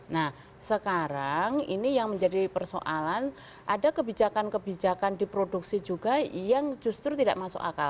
nah sekarang ini yang menjadi persoalan ada kebijakan kebijakan diproduksi juga yang justru tidak masuk akal